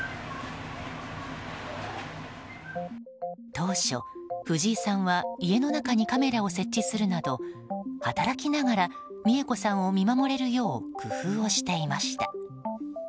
当初、藤井さんは家の中にカメラを設置するなど働きながら三恵子さんを見守れるよう工夫をしていました。